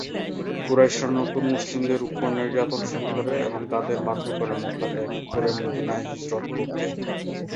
কুরাইশরা নতুন মুসলিমদের উপর নির্যাতন শুরু করে এবং তাদের বাধ্য করে মক্কা ত্যাগ করেমদিনায় হিজরত করতে।